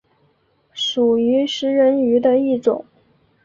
属于食人鱼的一种。